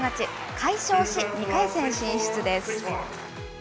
快勝し、２回戦進出です。